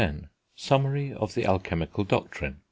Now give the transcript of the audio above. SUMMARY OF THE ALCHEMICAL DOCTRINE.